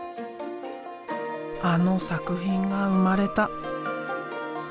あの作品が生まれた。